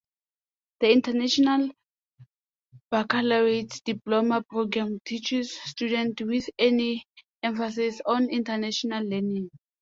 The International Baccalaureate Diploma Program teaches students with an emphasis on international learning.